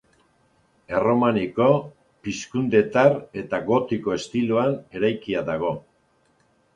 Erromaniko, pizkundetar eta gotiko estiloan eraikia dago.